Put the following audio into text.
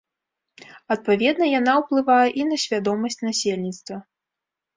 Адпаведна, яна ўплывае і на свядомасць насельніцтва.